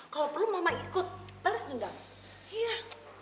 kalau perlu mama ikut bales dendam